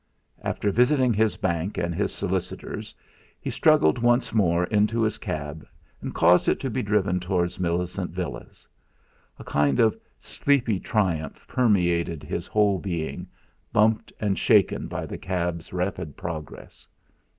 After visiting his bank and his solicitors he struggled once more into his cab and caused it to be driven towards Millicent Villas. A kind of sleepy triumph permeated his whole being, bumped and shaken by the cab's rapid progress.